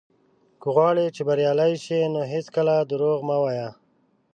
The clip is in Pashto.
که غواړې چې بريالی شې، نو هېڅکله دروغ مه وايه.